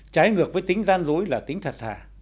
trái ngược với tính gian dối là tính thật thả